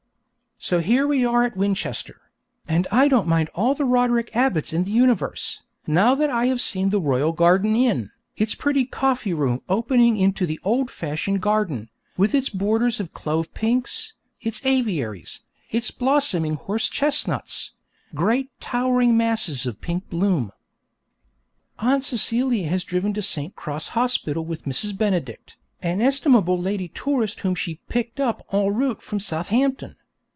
So here we are at Winchester; and I don't mind all the Roderick Abbotts in the universe, now that I have seen the Royal Garden Inn, its pretty coffee room opening into the old fashioned garden, with its borders of clove pinks, its aviaries, and its blossoming horse chestnuts, great towering masses of pink bloom. Aunt Celia has driven to St. Cross Hospital with Mrs. Benedict, an estimable lady tourist whom she 'picked up' en route from Southampton.